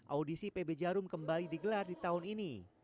audisi pb jarum kembali digelar di tahun ini